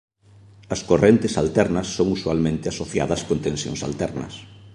As correntes alternas son usualmente asociadas con tensións alternas.